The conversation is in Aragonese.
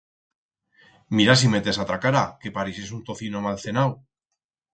Mira si metes atra cara, que pareixes un tocino mal cenau!